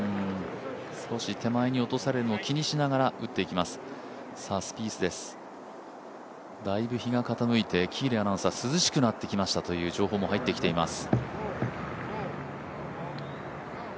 少し手前に落とされるのを気にしながら打っています、スピースです、だいぶ日が傾いてきて涼しくなってきたという情報も入ってきています。